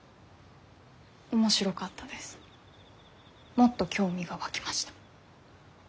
もっと興味が湧きました。